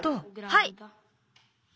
はい。